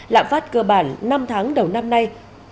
lạm phát cơ bản năm tháng đầu năm nay